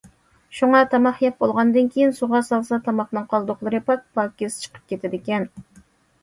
شۇڭا تاماق يەپ بولغاندىن كېيىن، سۇغا سالسا تاماقنىڭ قالدۇقلىرى پاكپاكىز چىقىپ كېتىدىكەن.